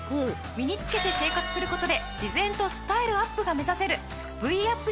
身につけて生活する事で自然とスタイルアップが目指せるＶアップ